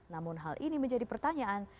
namun hal ini menjadi pertanyaan